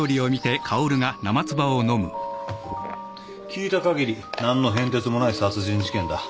聞いたかぎり何の変哲もない殺人事件だ。